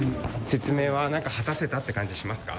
説明は果たせたという感じしますか？